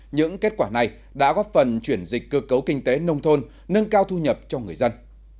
những kết quả này đã góp phần chuyển dịch cơ cấu kinh tế nông thôn nâng cao thu nhập cho người dân